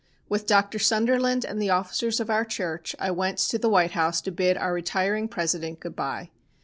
With Dr. Sunderland and the officers of our church I went to the White House to bid our retiring President goodbye.